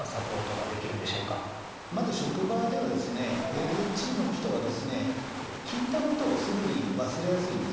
まず職場ではですねＡＤＨＤの人はですね聞いたことをすぐに忘れやすいんですね。